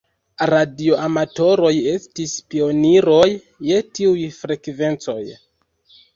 Radioamatoroj estis pioniroj je tiuj frekvencoj.